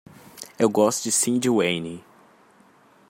Eu gosto de Cyndi Wayne.